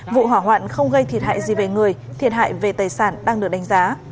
vụ hỏa hoạn không gây thiệt hại gì về người thiệt hại về tài sản đang được đánh giá